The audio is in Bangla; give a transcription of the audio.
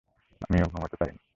আমিও ঘুমোতে পারিনি।